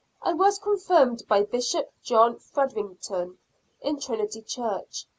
I was confirmed by Bishop John Fredricton, in Trinity Church.